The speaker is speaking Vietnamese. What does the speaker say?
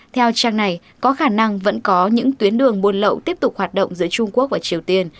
theo trang này có khả năng vẫn có những tuyến đường buôn lậu tiếp tục hoạt động giữa trung quốc và triều tiên